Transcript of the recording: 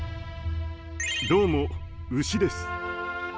どうも、ウシです！